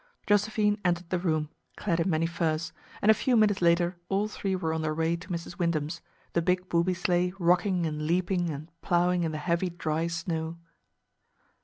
Josephine entered the room, clad in many furs, and a few minutes later all three were on their way to Mrs. Wyndham's, the big booby sleigh rocking and leaping and ploughing in the heavy dry snow.